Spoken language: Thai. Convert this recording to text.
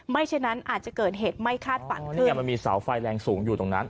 ฉะนั้นอาจจะเกิดเหตุไม่คาดฝันเนี่ยมันมีเสาไฟแรงสูงอยู่ตรงนั้น